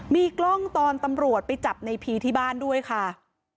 มีกล้องตอนตำรวจไปจับในพีที่บ้านด้วยค่ะ